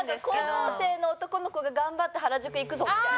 高校生の男の子が頑張って原宿行くぞみたいな感じ。